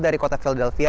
dari kota philadelphia